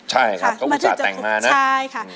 ใช่ครับก็อุตส่าห์แต่งมานะใช่ค่ะ